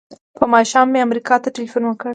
په ماښام مې امریکا ته ټیلفون وکړ.